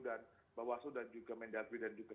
dan bawasud dan juga mendatwi dan juga